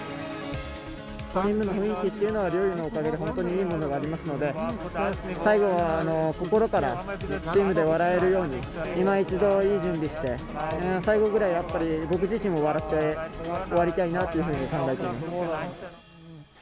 チームの雰囲気っていうのは、陵侑のおかげで本当にいいものがありますので、最後は心からチームで笑えるように、いま一度いい準備して、最後くらいはやっぱり、僕自身も笑って終わりたいなというふうに考えています。